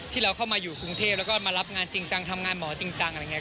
ที่เราเข้ามาอยู่กรุงเทพแล้วก็มารับงานจริงจังทำงานหมอจริงจังอะไรอย่างนี้